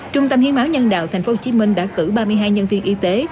trung tâm hiến máu nhân đạo tp hồ chí minh đã cử ba mươi hai nhân viên y tế